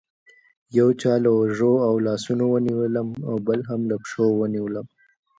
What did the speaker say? یو چا له اوږو او لاسونو ونیولم او بل هم له پښو ونیولم.